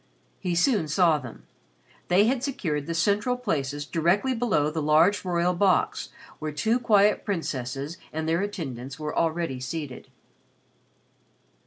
He soon saw them. They had secured the central places directly below the large royal box where two quiet princesses and their attendants were already seated.